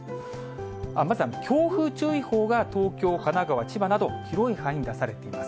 まずは強風注意報が東京、神奈川、千葉など、広い範囲に出されています。